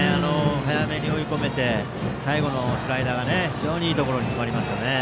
早めに追い込めて最後のスライダーが非常にいいところに決まります。